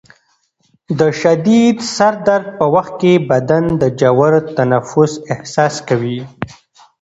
د شدید سر درد په وخت کې بدن د ژور تنفس احساس کوي.